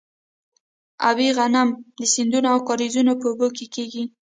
ابي غنم د سیندونو او کاریزونو په اوبو کیږي.